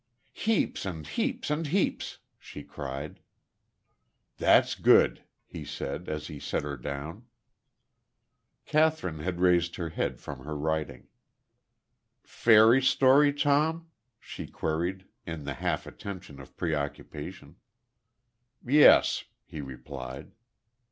"Heaps, and heaps, and heaps!" she cried. "That's good," he said, as he set her down. Kathryn had raised her head from her writing. "Fairy story, Tom?" she queried, in the half attention of preoccupation. "Yes," he replied.